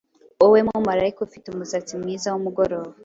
Wowe mumarayika ufite umusatsi mwiza wumugoroba,